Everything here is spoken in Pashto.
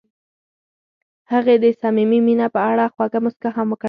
هغې د صمیمي مینه په اړه خوږه موسکا هم وکړه.